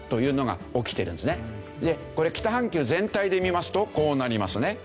でこれ北半球全体で見ますとこうなりますね。